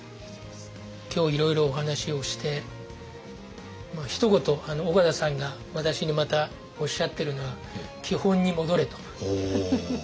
今日いろいろお話をしてひと言緒方さんが私にまたおっしゃってるのはおお。